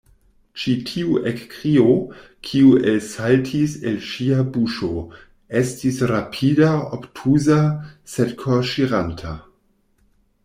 Ĉi tiu ekkrio, kiu elsaltis el ŝia buŝo, estis rapida, obtuza, sed korŝiranta.